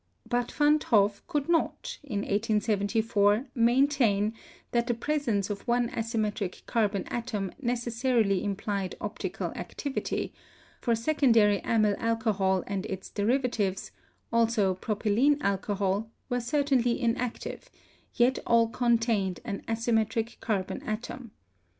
But Van't Hoff could not, in 1874, maintain that the presence of one asymmetric carbon atom necessarily implied optical activity; for secondary amyl alcohol and its derivatives, also propylene alcohol, were certainly inactive, yet all contained an asymmetric car bon atom.